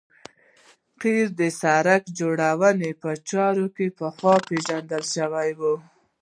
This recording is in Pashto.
قیر د سرک جوړونې په چارو کې پخوا پیژندل شوی و